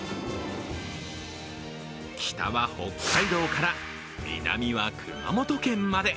北は北海道から、南は熊本県まで。